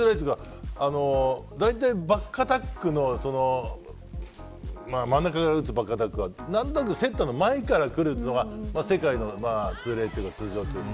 だいたいバックアタックの真ん中から打つバックアタックはセッターの前からくるというのが世界の通例というか通常というか。